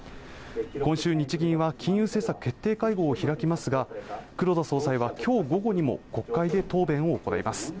今週日銀は金融政策決定会合を開きますが黒田総裁はきょう午後にも国会で答弁を行います